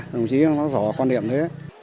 đồng chí nó rõ quan điểm thế